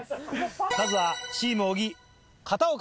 まずはチーム小木片岡